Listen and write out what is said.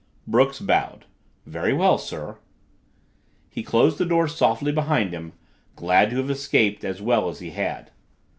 Brooks bowed. "Very well, sir." He closed the door softly behind him, glad to have escaped as well as he had.